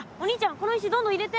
この石どんどん入れて。